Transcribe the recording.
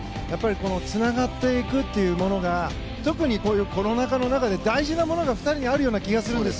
つながる心が特にこういうコロナ禍の中で大事なものが２人にあるような気がするんです。